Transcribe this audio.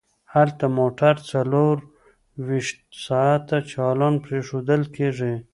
هلته موټر څلور ویشت ساعته چالان پریښودل کیږي